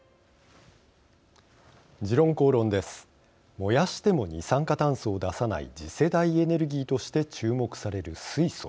燃やしても二酸化炭素を出さない次世代エネルギーとして注目される水素。